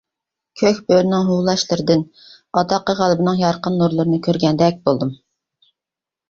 كۆك بۆرىنىڭ ھۇۋلاشلىرىدىن ئاداققى غەلىبىنىڭ يارقىن نۇرلىرىنى كۆرگەندەك بولدۇم.